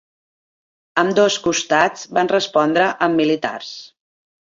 Ambdós costats van respondre amb militars.